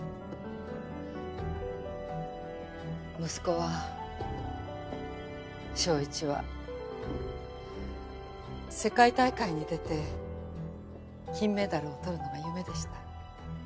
息子は翔一は世界大会に出て金メダルをとるのが夢でした。